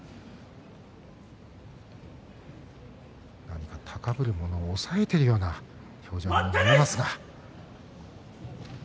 なにか高ぶるものを抑えているような表情に見えます。